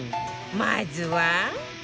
まずは